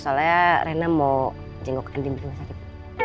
soalnya rena mau jenguk anding di rumah sakit